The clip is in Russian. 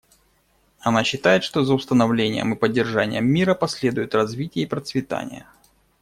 Она считает, что за установлением и поддержанием мира последуют развитие и процветание.